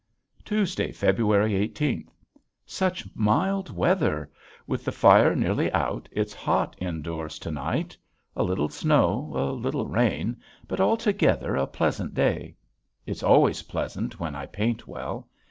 Tuesday, February eighteenth. Such mild weather! With the fire nearly out it's hot indoors to night. A little snow, a little rain, but altogether a pleasant day. It's always pleasant when I paint well.